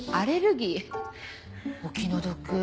お気の毒。